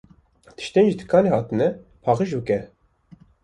Tiştên ji dikanê hatine paqij bike.